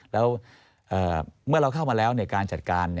แล้วเมื่อเราเข้ามาแล้วการจัดการ